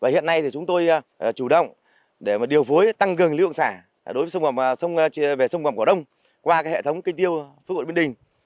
hiện nay chúng tôi chủ động để điều phối tăng gần lưu lượng xả về sông vàm cỏ đông qua hệ thống kênh tiêu phước hội bến đình